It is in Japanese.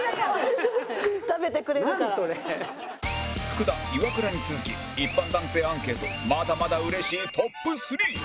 福田イワクラに続き一般男性アンケートまだまだうれしいトップ３